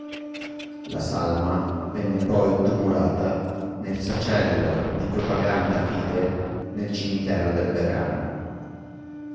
La salma venne poi tumulata nel sacello di Propaganda Fide nel cimitero del Verano.